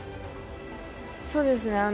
そうですね。